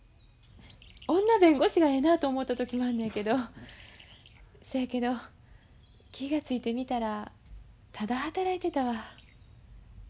女弁護士がええなあと思うた時もあんねやけどそやけど気が付いてみたらただ働いてたわ。